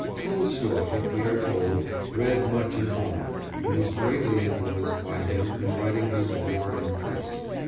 Tolstoy, we are told, read much in Homer, and was greatly influenced by him in writing his War and Peace.